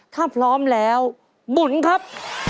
ถ้าพร้อมแล้วหมุนครับ